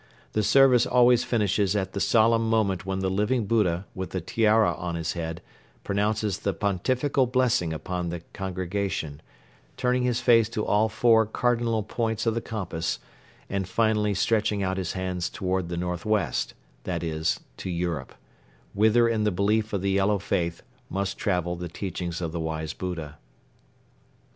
The service always finishes at the solemn moment when the Living Buddha with the tiara on his head pronounces the pontifical blessing upon the congregation, turning his face to all four cardinal points of the compass and finally stretching out his hands toward the northwest, that is, to Europe, whither in the belief of the Yellow Faith must travel the teachings of the wise Buddha.